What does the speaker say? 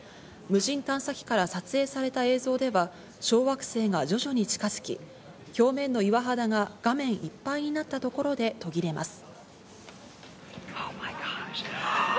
無人探査機から撮影された映像では小惑星が徐々に近づき、表面の岩肌が画面いっぱいになったところで途切れます。